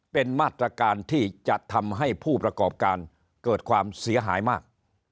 เป็นมาตรการที่จะทำให้ผู้ประกอบการเกิดความเสียหายมาก